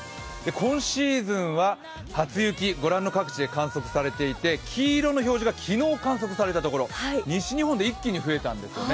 今シーズンは初雪、ご覧の各地で観測されていて黄色の表示が昨日観測された所、西日本で一気に増えたんですね。